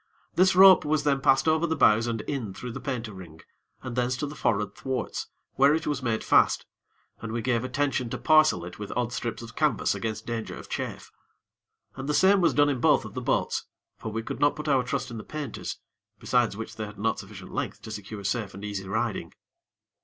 This rope was then passed over the bows and in through the painter ring, and thence to the forrard thwarts, where it was made fast, and we gave attention to parcel it with odd strips of canvas against danger of chafe. And the same was done in both of the boats, for we could not put our trust in the painters, besides which they had not sufficient length to secure safe and easy riding.